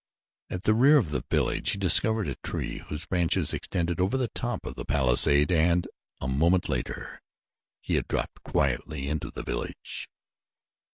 At the rear of the village he discovered a tree whose branches extended over the top of the palisade and a moment later he had dropped quietly into the village.